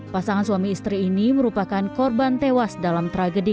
pasangan suami istri ini merupakan korban tewas dalam tragedi